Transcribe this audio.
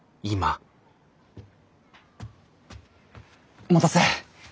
お待たせ。